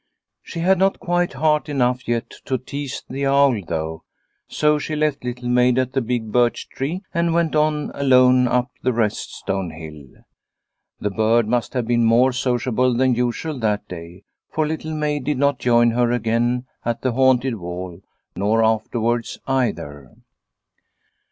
She had not quite heart enough yet to tease the owl though, so she left Little Maid at the big birch tree and went on alone up the Rest Stone hill. The bird must have been more sociable than usual that day, for Little Maid did not join her again at the haunted wall, nor afterwards either.